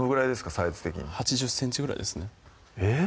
サイズ的に８０ｃｍぐらいですねえっ？